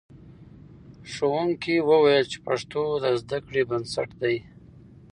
ښوونکي وویل چې پښتو د زده کړې بنسټ دی.